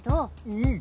うん。